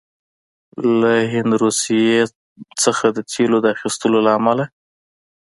هند روسيې نه د تیلو د اخیستلو له امله